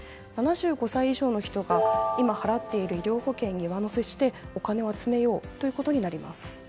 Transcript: ７５歳以上の人が今払っている医療保険に上乗せしてお金を集めようということになります。